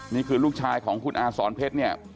นี่คือลูกชายของคุณอาสอนเพชรเนี่ย